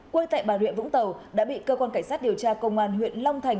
quay tại bàn huyện vũng tàu đã bị cơ quan cảnh sát điều tra công an huyện long thành